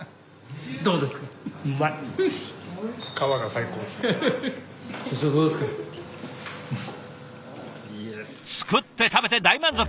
作って食べて大満足！